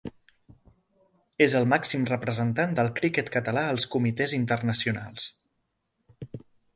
És el màxim representant del criquet català als comitès internacionals.